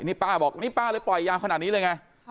นี่ป้าบอกนี่ป้าเลยปล่อยยาวขนาดนี้เลยไง